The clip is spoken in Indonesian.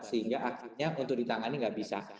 sehingga akhirnya untuk ditangani nggak bisa